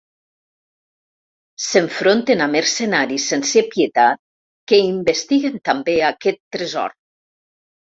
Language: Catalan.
S'enfronten a mercenaris sense pietat que investiguen també aquest tresor.